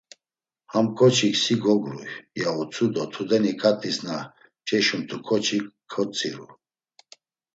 Ham ǩoçik si gogruy, ya utzu do tudeni ǩat̆is na mç̌eşumt̆u ǩoçi kotziru.